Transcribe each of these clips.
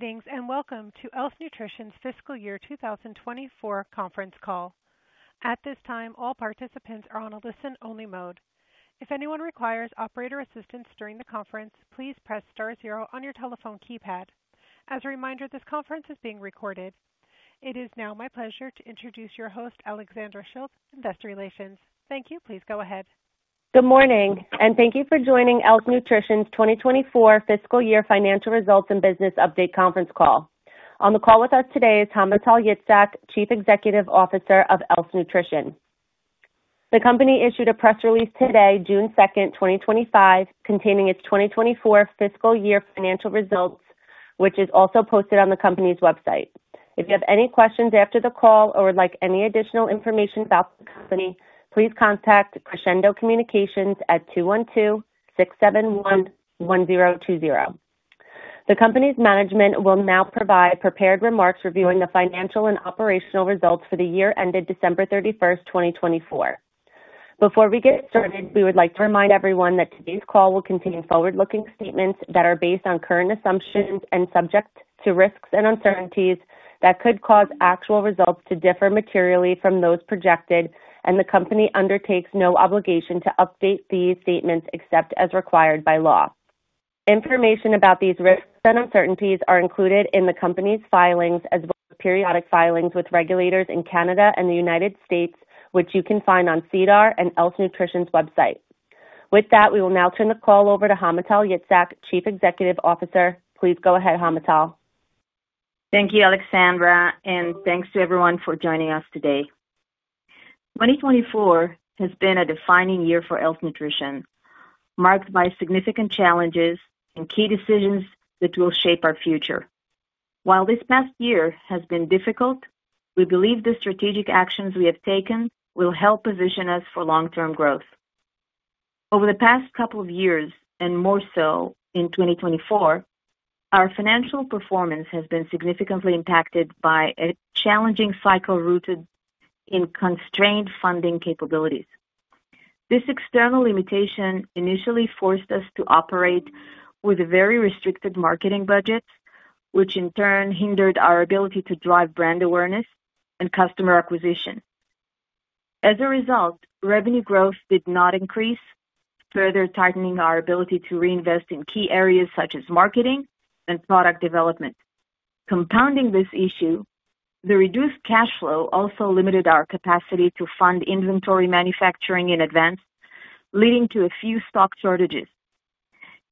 Greetings and welcome to Else Nutrition's fiscal year 2024 conference call. At this time, all participants are on a listen-only mode. If anyone requires operator assistance during the conference, please press star zero on your telephone keypad. As a reminder, this conference is being recorded. It is now my pleasure to introduce your host, Alexandra Schilt, Investor Relations. Thank you. Please go ahead. Good morning, and thank you for joining Else Nutrition's 2024 Fiscal Year Financial Results and Business Update Conference Call. On the call with us today is Hamutal Yitzhak, Chief Executive Officer of Else Nutrition. The company issued a press release today, June 2nd, 2025, containing its 2024 fiscal year financial results, which is also posted on the company's website. If you have any questions after the call or would like any additional information about the company, please contact Crescendo Communications at 212-671-1020. The company's management will now provide prepared remarks reviewing the financial and operational results for the year ended December 31st, 2024. Before we get started, we would like to remind everyone that today's call will contain forward-looking statements that are based on current assumptions and subject to risks and uncertainties that could cause actual results to differ materially from those projected, and the company undertakes no obligation to update these statements except as required by law. Information about these risks and uncertainties are included in the company's filings as well as periodic filings with regulators in Canada and the U.S., which you can find on SEDAR+ and Else Nutrition's website. With that, we will now turn the call over to Hamutal Yitzhak, Chief Executive Officer. Please go ahead, Hamutal. Thank you, Alexandra, and thanks to everyone for joining us today. 2024 has been a defining year for Else Nutrition, marked by significant challenges and key decisions that will shape our future. While this past year has been difficult, we believe the strategic actions we have taken will help position us for long-term growth. Over the past couple of years, and more so in 2024, our financial performance has been significantly impacted by a challenging cycle rooted in constrained funding capabilities. This external limitation initially forced us to operate with very restricted marketing budgets, which in turn hindered our ability to drive brand awareness and customer acquisition. As a result, revenue growth did not increase, further tightening our ability to reinvest in key areas such as marketing and product development. Compounding this issue, the reduced cash flow also limited our capacity to fund inventory manufacturing in advance, leading to a few stock shortages.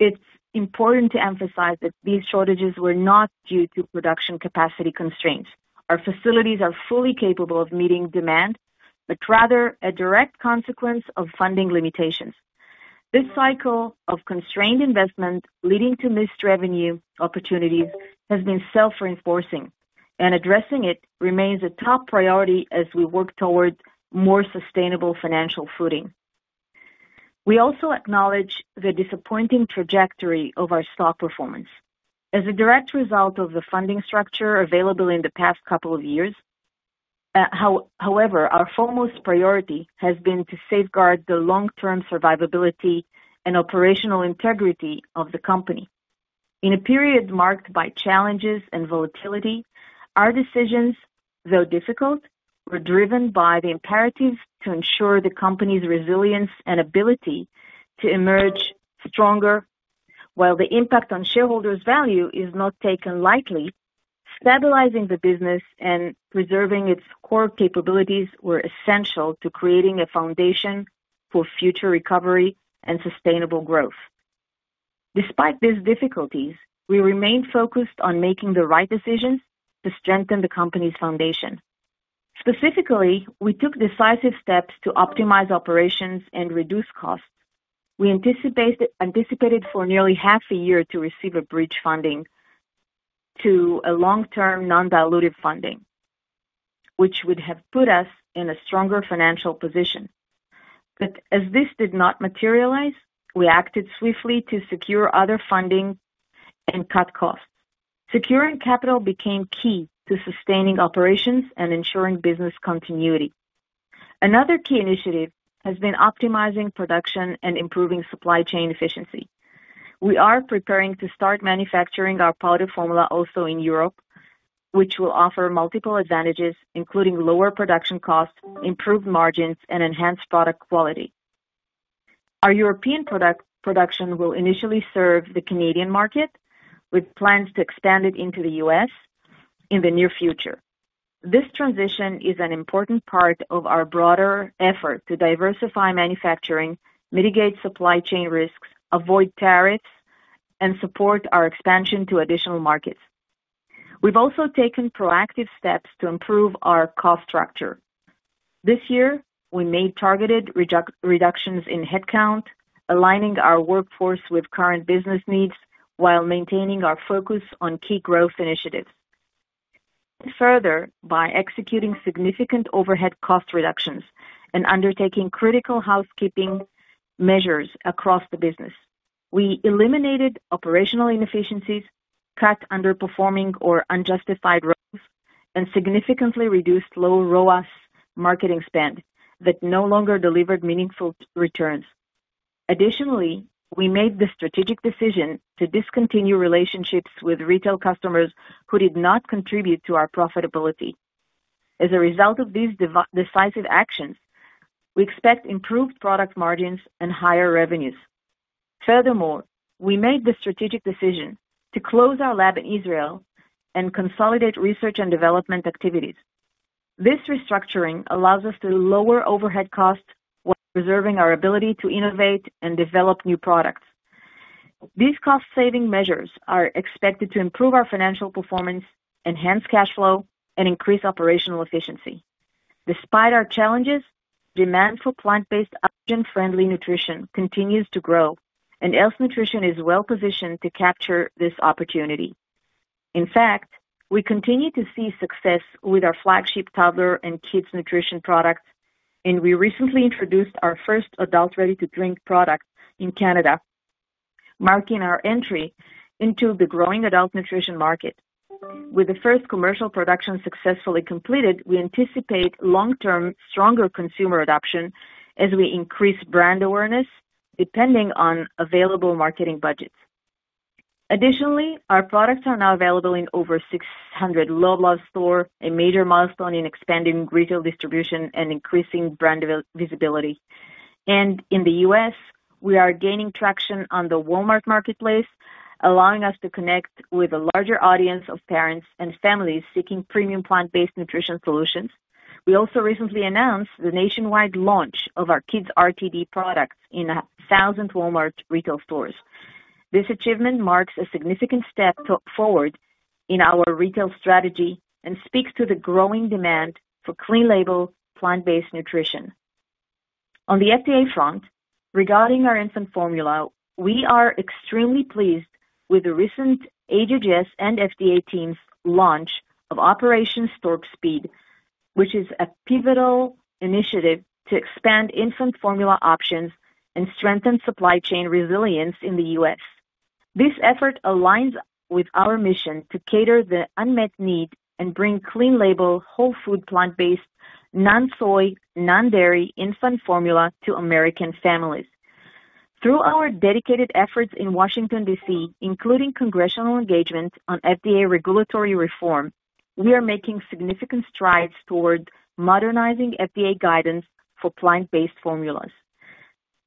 It's important to emphasize that these shortages were not due to production capacity constraints. Our facilities are fully capable of meeting demand, but rather a direct consequence of funding limitations. This cycle of constrained investment leading to missed revenue opportunities has been self-reinforcing, and addressing it remains a top priority as we work toward more sustainable financial footing. We also acknowledge the disappointing trajectory of our stock performance. As a direct result of the funding structure available in the past couple of years, however, our foremost priority has been to safeguard the long-term survivability and operational integrity of the company. In a period marked by challenges and volatility, our decisions, though difficult, were driven by the imperatives to ensure the company's resilience and ability to emerge stronger. While the impact on shareholders' value is not taken lightly, stabilizing the business and preserving its core capabilities were essential to creating a foundation for future recovery and sustainable growth. Despite these difficulties, we remained focused on making the right decisions to strengthen the company's foundation. Specifically, we took decisive steps to optimize operations and reduce costs. We anticipated for nearly half a year to receive a bridge funding to a long-term non-dilutive funding, which would have put us in a stronger financial position. As this did not materialize, we acted swiftly to secure other funding and cut costs. Securing capital became key to sustaining operations and ensuring business continuity. Another key initiative has been optimizing production and improving supply chain efficiency. We are preparing to start manufacturing our powder formula also in Europe, which will offer multiple advantages, including lower production costs, improved margins, and enhanced product quality. Our European production will initially serve the Canadian market, with plans to expand it into the U.S. in the near future. This transition is an important part of our broader effort to diversify manufacturing, mitigate supply chain risks, avoid tariffs, and support our expansion to additional markets. We've also taken proactive steps to improve our cost structure. This year, we made targeted reductions in headcount, aligning our workforce with current business needs while maintaining our focus on key growth initiatives. Further, by executing significant overhead cost reductions and undertaking critical housekeeping measures across the business, we eliminated operational inefficiencies, cut underperforming or unjustified routes, and significantly reduced low ROAS marketing spend that no longer delivered meaningful returns. Additionally, we made the strategic decision to discontinue relationships with retail customers who did not contribute to our profitability. As a result of these decisive actions, we expect improved product margins and higher revenues. Furthermore, we made the strategic decision to close our lab in Israel and consolidate research and development activities. This restructuring allows us to lower overhead costs while preserving our ability to innovate and develop new products. These cost-saving measures are expected to improve our financial performance, enhance cash flow, and increase operational efficiency. Despite our challenges, demand for plant-based allergen-friendly nutrition continues to grow, and Else Nutrition is well-positioned to capture this opportunity. In fact, we continue to see success with our flagship toddler and kids' nutrition products, and we recently introduced our first Adult Ready-to-Drink Product in Canada, marking our entry into the growing adult nutrition market. With the first commercial production successfully completed, we anticipate long-term stronger consumer adoption as we increase brand awareness depending on available marketing budgets. Additionally, our products are now available in over 600 Loblaw stores, a major milestone in expanding retail distribution and increasing brand visibility. In the U.S., we are gaining traction on the Walmart marketplace, allowing us to connect with a larger audience of parents and families seeking premium plant-based nutrition solutions. We also recently announced the nationwide launch of our kids' RTD products in 1,000 Walmart retail stores. This achievement marks a significant step forward in our retail strategy and speaks to the growing demand for clean-label plant-based nutrition. On the FDA front, regarding our infant formula, we are extremely pleased with the recent HHS and FDA teams' launch of Operation Stork Speed, which is a pivotal initiative to expand infant formula options and strengthen supply chain resilience in the U.S. This effort aligns with our mission to cater to the unmet need and bring clean-label whole food plant-based non-soy, non-dairy infant formula to American families. Through our dedicated efforts in Washington, D.C., including congressional engagement on FDA regulatory reform, we are making significant strides toward modernizing FDA guidance for plant-based formulas.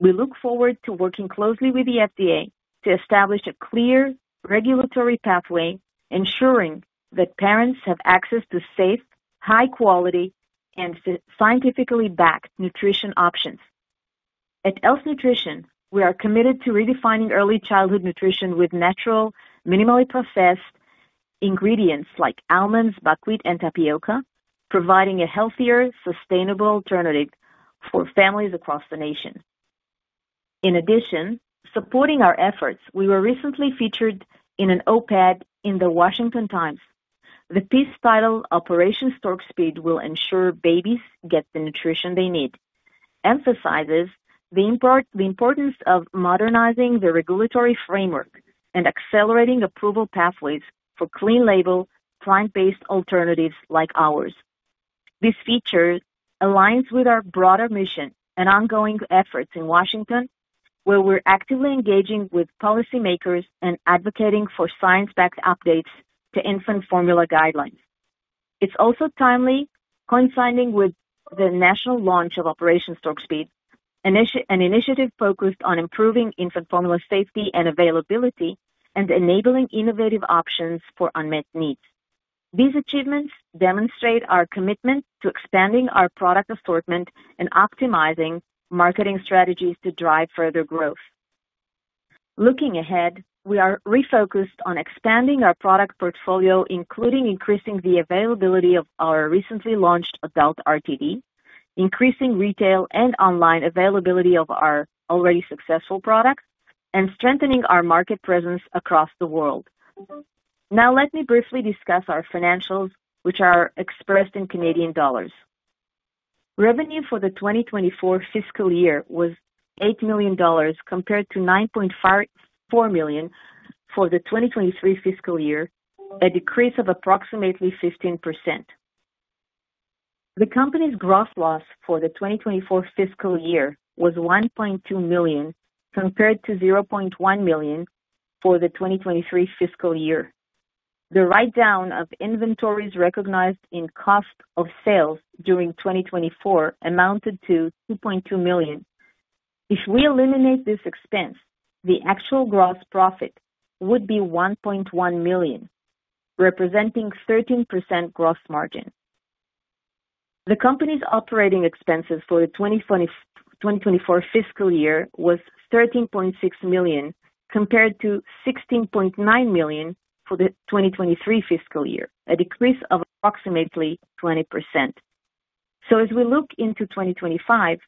We look forward to working closely with the FDA to establish a clear regulatory pathway, ensuring that parents have access to safe, high-quality, and scientifically backed nutrition options. At Else Nutrition, we are committed to redefining early childhood nutrition with natural, minimally processed ingredients like almonds, buckwheat, and tapioca, providing a healthier, sustainable alternative for families across the nation. In addition, supporting our efforts, we were recently featured in an op-ed in the Washington Times. The piece titled "Operation Stork Speed will ensure babies get the nutrition they need" emphasizes the importance of modernizing the regulatory framework and accelerating approval pathways for clean-label plant-based alternatives like ours. This feature aligns with our broader mission and ongoing efforts in Washington, where we're actively engaging with policymakers and advocating for science-backed updates to infant formula guidelines. It's also timely, coinciding with the national launch of Operation Stork Speed, an initiative focused on improving infant formula safety and availability and enabling innovative options for unmet needs. These achievements demonstrate our commitment to expanding our product assortment and optimizing marketing strategies to drive further growth. Looking ahead, we are refocused on expanding our product portfolio, including increasing the availability of our recently launched adult RTD, increasing retail and online availability of our already successful products, and strengthening our market presence across the world. Now, let me briefly discuss our financials, which are expressed in Canadian dollars. Revenue for the 2024 fiscal year was 8 million dollars compared to 9.4 million for the 2023 fiscal year, a decrease of approximately 15%. The company's gross loss for the 2024 fiscal year was 1.2 million compared to 0.1 million for the 2023 fiscal year. The write-down of inventories recognized in cost of sales during 2024 amounted to 2.2 million. If we eliminate this expense, the actual gross profit would be 1.1 million, representing 13% gross margin. The company's operating expenses for the 2024 fiscal year were 13.6 million compared to 16.9 million for the 2023 fiscal year, a decrease of approximately 20%. As we look into 2025,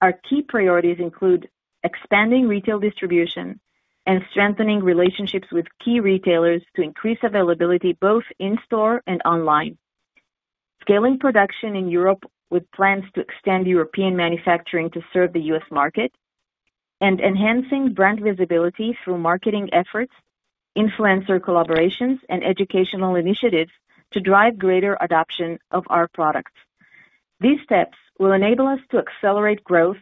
our key priorities include expanding retail distribution and strengthening relationships with key retailers to increase availability both in store and online, scaling production in Europe with plans to extend European manufacturing to serve the U.S. market, and enhancing brand visibility through marketing efforts, influencer collaborations, and educational initiatives to drive greater adoption of our products. These steps will enable us to accelerate growth,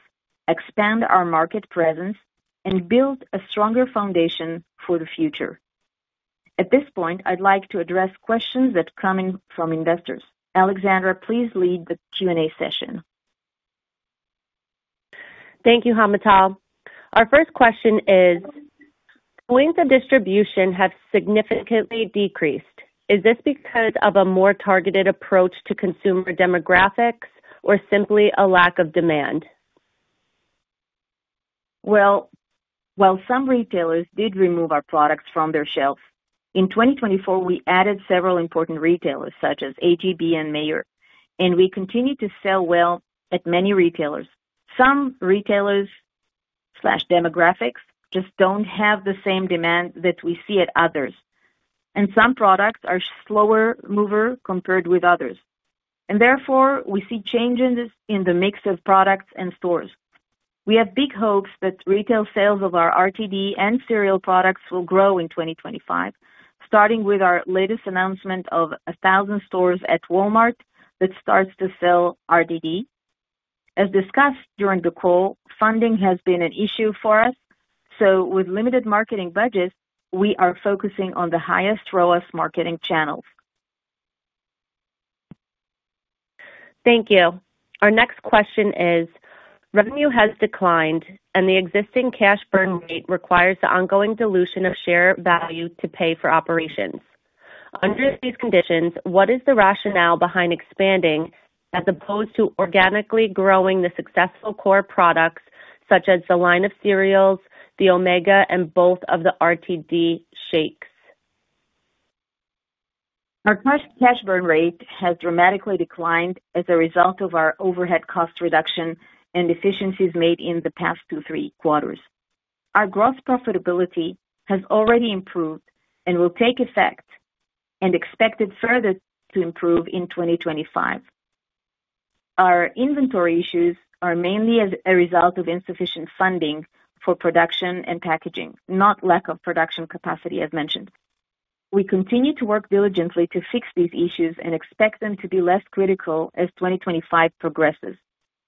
expand our market presence, and build a stronger foundation for the future. At this point, I'd like to address questions that are coming from investors. Alexandra, please lead the Q&A session. Thank you, Hamutal. Our first question is, when did distribution have significantly decreased? Is this because of a more targeted approach to consumer demographics or simply a lack of demand? While some retailers did remove our products from their shelves, in 2024, we added several important retailers, such as H-E-B and Meijer, and we continue to sell well at many retailers. Some retailers or demographics just do not have the same demand that we see at others, and some products are slower movers compared with others. Therefore, we see changes in the mix of products and stores. We have big hopes that retail sales of our RTD and cereal products will grow in 2025, starting with our latest announcement of 1,000 stores at Walmart that start to sell RTD. As discussed during the call, funding has been an issue for us, so with limited marketing budgets, we are focusing on the highest ROAS marketing channels. Thank you. Our next question is, revenue has declined, and the existing cash burn rate requires the ongoing dilution of share value to pay for operations. Under these conditions, what is the rationale behind expanding as opposed to organically growing the successful core products, such as the line of cereals, the Omega, and both of the RTD shakes? Our cash burn rate has dramatically declined as a result of our overhead cost reduction and efficiencies made in the past two to three quarters. Our gross profitability has already improved and will take effect and is expected further to improve in 2025. Our inventory issues are mainly a result of insufficient funding for production and packaging, not lack of production capacity, as mentioned. We continue to work diligently to fix these issues and expect them to be less critical as 2025 progresses.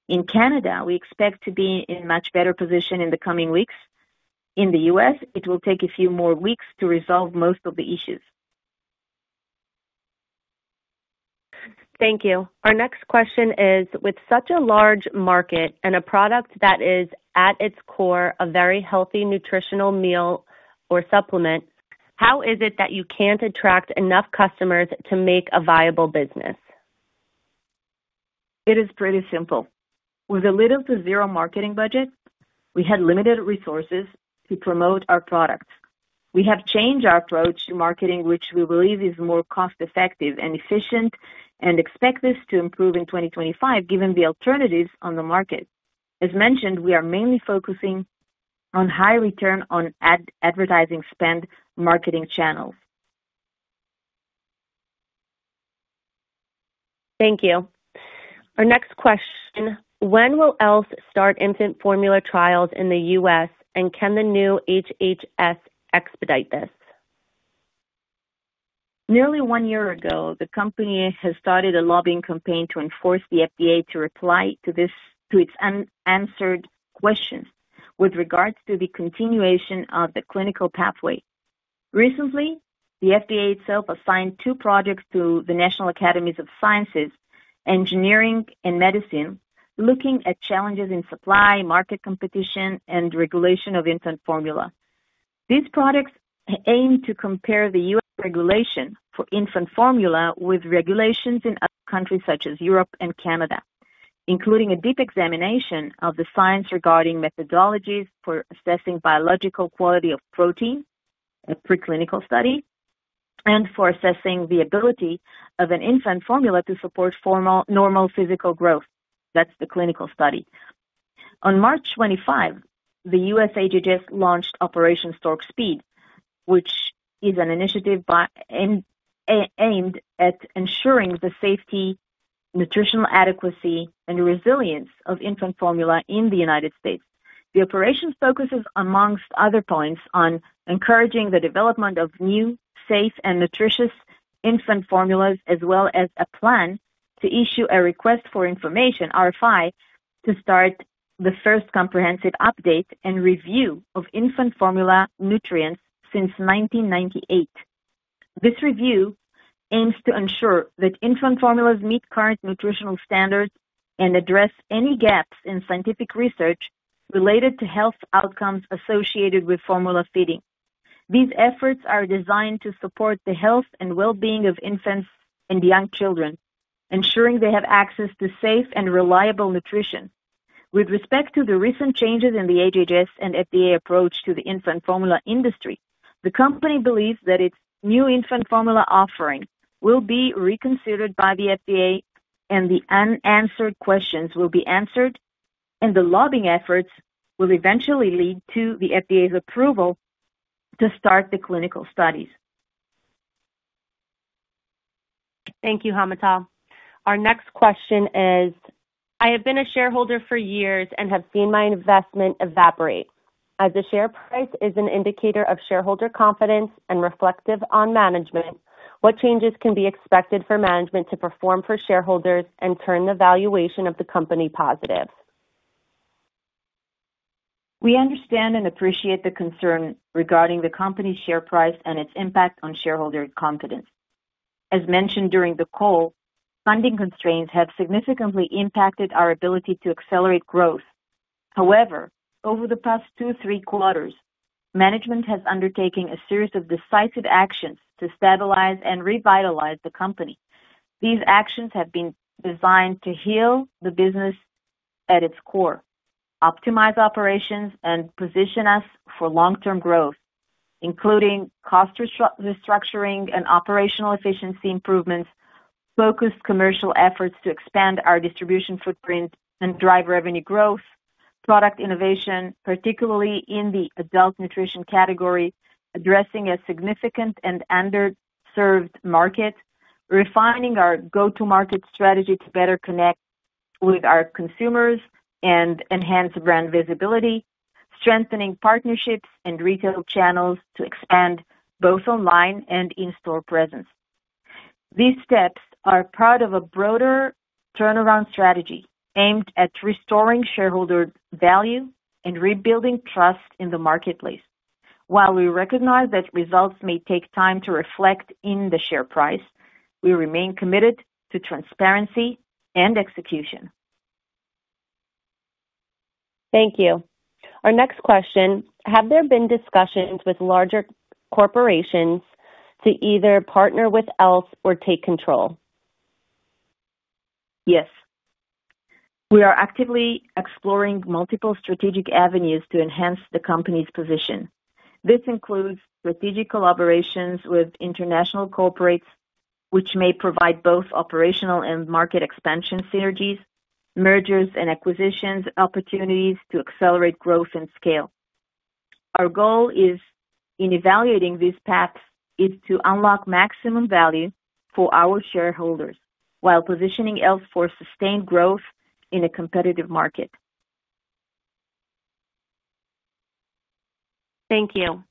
In Canada, we expect to be in a much better position in the coming weeks. In the U.S., it will take a few more weeks to resolve most of the issues. Thank you. Our next question is, with such a large market and a product that is at its core a very healthy nutritional meal or supplement, how is it that you can't attract enough customers to make a viable business? It is pretty simple. With a little to zero marketing budget, we had limited resources to promote our products. We have changed our approach to marketing, which we believe is more cost-effective and efficient, and expect this to improve in 2025, given the alternatives on the market. As mentioned, we are mainly focusing on high return on advertising spend marketing channels. Thank you. Our next question: When will Else start infant formula trials in the U.S., and can the new HHS expedite this? Nearly one year ago, the company has started a lobbying campaign to enforce the FDA to reply to its unanswered questions with regards to the continuation of the clinical pathway. Recently, the FDA itself assigned two projects to the National Academies of Sciences, Engineering, and Medicine, looking at challenges in supply, market competition, and regulation of infant formula. These projects aim to compare the U.S. regulation for infant formula with regulations in other countries, such as Europe and Canada, including a deep examination of the science regarding methodologies for assessing biological quality of protein, a preclinical study, and for assessing the ability of an infant formula to support normal physical growth. That's the clinical study. On March 25, the U.S. HHS launched Operation Stork Speed, which is an initiative aimed at ensuring the safety, nutritional adequacy, and resilience of infant formula in the United States. The operation focuses, amongst other points, on encouraging the development of new, safe, and nutritious infant formulas, as well as a plan to issue a Request for Information (RFI) to start the first comprehensive update and review of infant formula nutrients since 1998. This review aims to ensure that infant formulas meet current nutritional standards and address any gaps in scientific research related to health outcomes associated with formula feeding. These efforts are designed to support the health and well-being of infants and young children, ensuring they have access to safe and reliable nutrition. With respect to the recent changes in the HHS and FDA approach to the infant formula industry, the company believes that its new infant formula offering will be reconsidered by the FDA, and the unanswered questions will be answered, and the lobbying efforts will eventually lead to the FDA's approval to start the clinical studies. Thank you, Hamutal. Our next question is, I have been a shareholder for years and have seen my investment evaporate. As the share price is an indicator of shareholder confidence and reflective on management, what changes can be expected for management to perform for shareholders and turn the valuation of the company positive? We understand and appreciate the concern regarding the company's share price and its impact on shareholder confidence. As mentioned during the call, funding constraints have significantly impacted our ability to accelerate growth. However, over the past two to three quarters, management has undertaken a series of decisive actions to stabilize and revitalize the company. These actions have been designed to heal the business at its core, optimize operations, and position us for long-term growth, including cost restructuring and operational efficiency improvements, focused commercial efforts to expand our distribution footprint and drive revenue growth, product innovation, particularly in the adult nutrition category, addressing a significant and underserved market, refining our go-to-market strategy to better connect with our consumers and enhance brand visibility, strengthening partnerships and retail channels to expand both online and in-store presence. These steps are part of a broader turnaround strategy aimed at restoring shareholder value and rebuilding trust in the marketplace. While we recognize that results may take time to reflect in the share price, we remain committed to transparency and execution. Thank you. Our next question: Have there been discussions with larger corporations to either partner with Else or take control? Yes. We are actively exploring multiple strategic avenues to enhance the company's position. This includes strategic collaborations with international corporates, which may provide both operational and market expansion synergies, mergers and acquisitions opportunities to accelerate growth and scale. Our goal in evaluating these paths is to unlock maximum value for our shareholders while positioning Else for sustained growth in a competitive market. Thank you.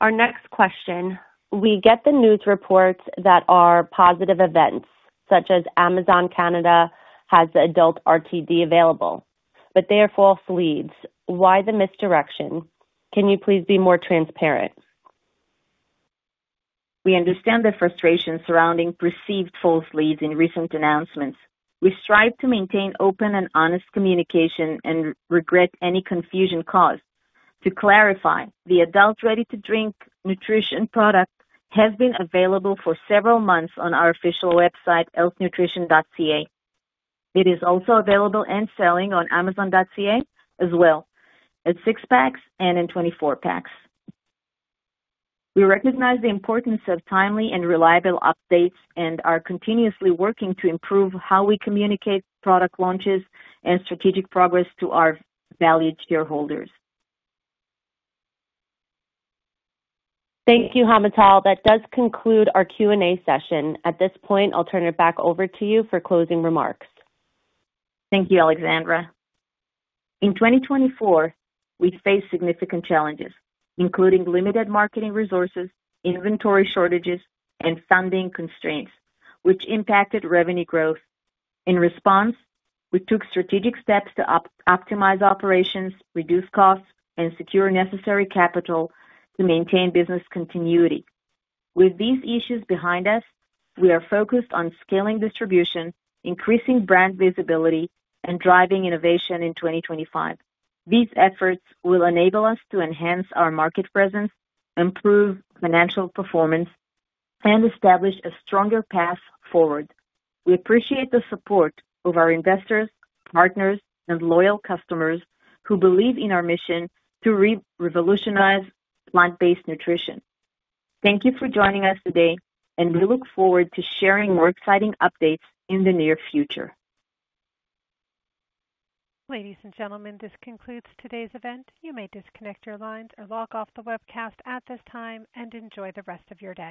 Our next question: We get the news reports that are positive events, such as Amazon Canada has adult RTD available, but they are false leads. Why the misdirection? Can you please be more transparent? We understand the frustration surrounding perceived false leads in recent announcements. We strive to maintain open and honest communication and regret any confusion caused. To clarify, the Adult Ready-to-Drink Nutrition Product has been available for several months on our official website, elsenutrition.ca. It is also available and selling on amazon.ca as well, at six packs and in 24 packs. We recognize the importance of timely and reliable updates and are continuously working to improve how we communicate product launches and strategic progress to our valued shareholders. Thank you, Hamutal. That does conclude our Q&A session. At this point, I'll turn it back over to you for closing remarks. Thank you, Alexandra. In 2024, we faced significant challenges, including limited marketing resources, inventory shortages, and funding constraints, which impacted revenue growth. In response, we took strategic steps to optimize operations, reduce costs, and secure necessary capital to maintain business continuity. With these issues behind us, we are focused on scaling distribution, increasing brand visibility, and driving innovation in 2025. These efforts will enable us to enhance our market presence, improve financial performance, and establish a stronger path forward. We appreciate the support of our investors, partners, and loyal customers who believe in our mission to revolutionize plant-based nutrition. Thank you for joining us today, and we look forward to sharing more exciting updates in the near future. Ladies and gentlemen, this concludes today's event. You may disconnect your lines or log off the webcast at this time and enjoy the rest of your day.